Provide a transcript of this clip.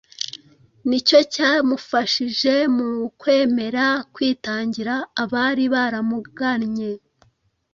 ni cyo cyamufashije mu kwemera kwitangira abari baramugannye